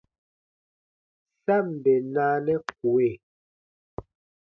Sa ǹ bè naanɛ kue.